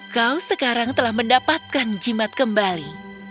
kau sekarang telah mendapatkan jimat kembali